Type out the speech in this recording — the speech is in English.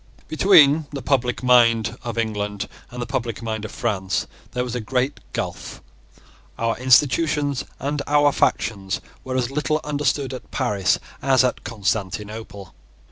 Between the public mind of England and the public mind of France, there was a great gulph. Our institutions and our factions were as little understood at Paris as at Constantinople.